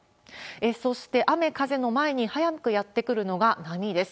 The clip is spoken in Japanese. そして雨風の前に早くやって来るのが波です。